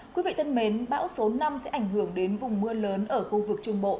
quý vị thân mến bão số năm sẽ ảnh hưởng đến vùng mưa lớn ở khu vực trung bộ